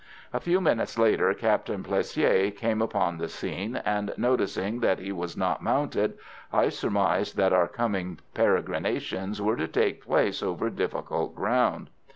A few minutes later Captain Plessier came upon the scene, and noticing that he was not mounted, I surmised that our coming peregrinations were to take place over difficult ground.